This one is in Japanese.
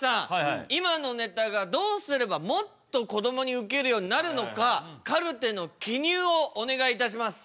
今のネタがどうすればもっとこどもにウケるようになるのかカルテの記入をお願いいたします。